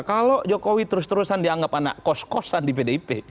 kalau jokowi terus terusan dianggap anak kos kosan di pdip